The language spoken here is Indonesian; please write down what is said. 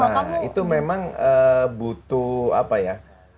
nah itu memang butuh apa ya